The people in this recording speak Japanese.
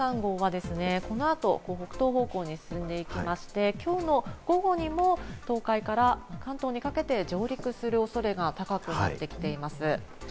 この後、北東方向に進んでいきまして、きょうの午後にも、東海から関東にかけて上陸するおそれが高くなってきています。